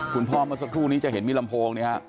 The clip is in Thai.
เมื่อสักครู่นี้จะเห็นมีลำโพงเนี่ยฮะ